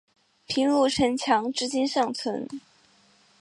平鲁城墙至今尚存。